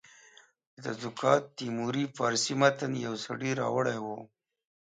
د تزوکات تیموري فارسي متن یو سړي راوړی وو.